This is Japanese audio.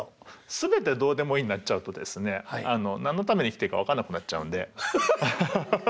全てどうでもいいになっちゃうとですね何のために生きていいか分かんなくなっちゃうんで。